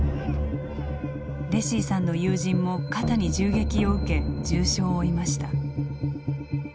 レシィさんの友人も肩に銃撃を受け重傷を負いました。